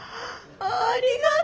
ありがとう！